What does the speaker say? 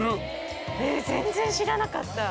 えぇ全然知らなかった。